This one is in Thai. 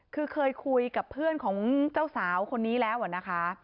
คือเคยคุยกับเพื่อนของเจ้าสาวคนนี้แล้วนะคะ